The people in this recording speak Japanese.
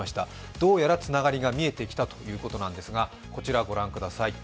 どうやらつながりが見えてきたということなんですが、こちらご覧ください。